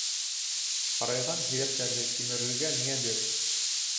Ҡарайған һөйәктәрҙе кимерергә миңә бир!